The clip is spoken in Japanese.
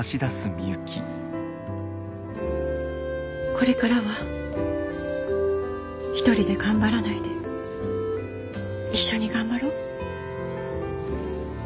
これからは１人で頑張らないで一緒に頑張ろう。